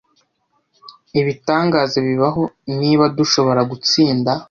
Ibitangaza bibaho niba dushobora gutsinda